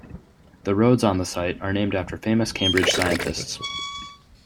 The roads on the site are named after famous Cambridge scientists.